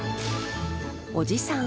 おじさん